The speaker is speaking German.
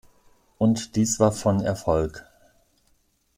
Und dies war von Erfolg.